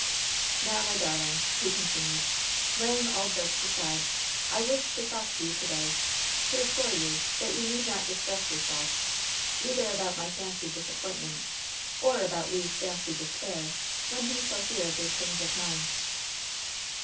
"Now, my darling," he continued, "laying all jokes aside, I wished to talk to you to day, to assure you that you need not distress yourself, either about my fancied disappointment or about Le's fancied despair, when he shall hear of your change of mind."